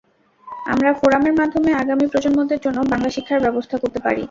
আমরা ফোরামের মাধ্যমে আগামী প্রজন্মদের জন্য বাংলা শিক্ষার ব্যবস্থা করতে পারি।